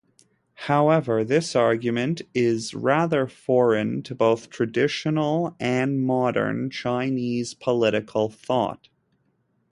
However, this argument is rather foreign to both traditional and modern Chinese political thought.